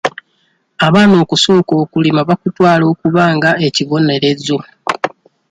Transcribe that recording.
Abaana okusooka okulima baakutwala okuba nga ekibonerezo.